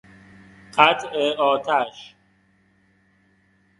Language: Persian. قطع آتش